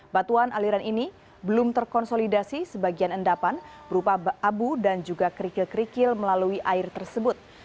batuan aliran ini belum terkonsolidasi sebagian endapan berupa abu dan juga kerikil kerikil melalui air tersebut